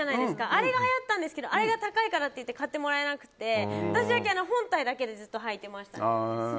あれがはやったんですけど高いから買ってもらえなくて私だけ本体だけずっと履いてました。